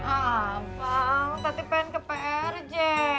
ah bang tadi pengen ke prj